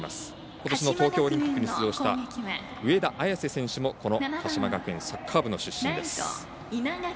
ことしの東京オリンピックに出場した上田綺世選手もこの鹿島学園サッカー部の出身です。